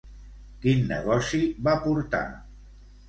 Quin negoci va portar?